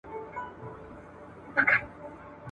ایوب خان کندهار ته تر رهي کېدو مخکي، د هرات واکمن وو.